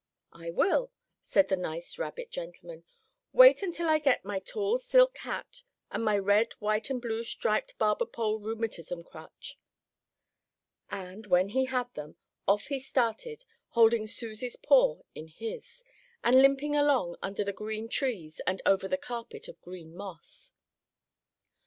"I will," said the nice rabbit gentleman. "Wait until I get my tall silk hat and my red, white and blue striped barber pole rheumatism crutch." And, when he had them, off he started, holding Susie's paw in his, and limping along under the green trees and over the carpet of green moss.